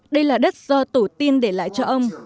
đây là đất do tổ tiên để lại cho ông